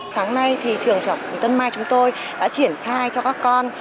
sáng nay trường trọng tân mai chúng tôi đã triển thai cho các con